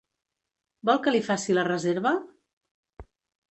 Vol que li faci la reserva?